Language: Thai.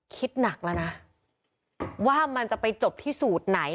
คิดหนักแล้วนะว่ามันจะไปจบที่สูตรไหน